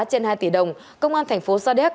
trên hai tỷ đồng công an tp sa đéc